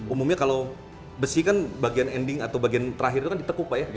umumnya kalau besi kan bagian ending atau bagian terakhir itu kan ditekuk pak ya